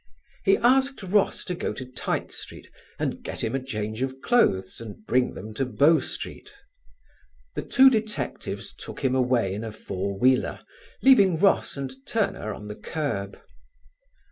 He asked Ross to go to Tite Street and get him a change of clothes and bring them to Bow Street. The two detectives took him away in a four wheeler, leaving Ross and Turner on the curb.